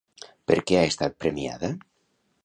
Per què ha estat premiada?